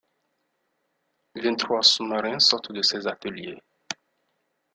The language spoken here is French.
Vingt-trois sous marins sortent de ses ateliers.